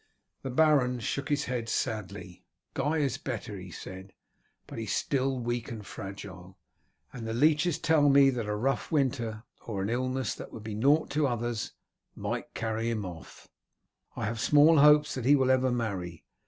The baron shook his head sadly. "Guy is better," he said, "but he is still weak and fragile, and the leeches tell me that a rough winter or an illness that would be nought to others might carry him off. I have small hopes that he will ever marry.